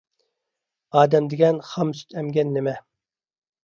ئادەم دېگەن خام سۈت ئەمگەن نېمە.